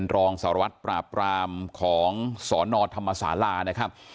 รองสารวัตรปราบรามของสนธรรมศาลานะครับ